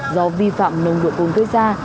do vi phạm nông độ côn tới ra